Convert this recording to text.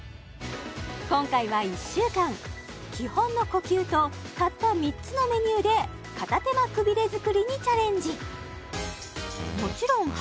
今回は１週間基本の呼吸とたった３つのメニューで片手間くびれ作りにチャレンジ